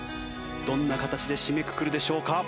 どんな形で締めくくるでしょうか？